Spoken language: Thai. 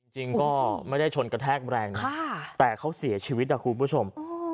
จริงก็ไม่ได้ชนกระแทกแรงนะแต่เขาเสียชีวิตนะคุณผู้ชม